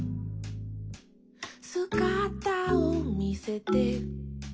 「すがたをみせて」